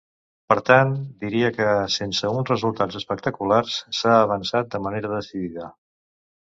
Per tant, diria que, sense uns resultats espectaculars, s’ha avançat de manera decidida.